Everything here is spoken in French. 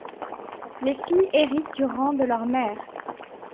Les filles héritent du rang de leur mère.